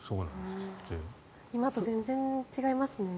今と全然違いますね。